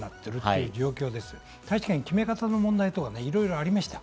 確かに決め方の問題等いろいろありました。